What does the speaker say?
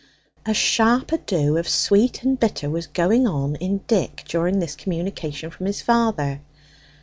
A sharp ado of sweet and bitter was going on in Dick during this communication from his father.